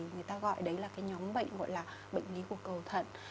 người ta gọi đấy là cái nhóm bệnh gọi là bệnh lý của cầu thận